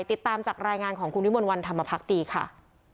ติดตามจากรายงานของคุณวิมลวันธรรมพักดีค่ะ